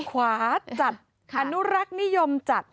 ขวาจัดอนุรักษ์นิยมจัด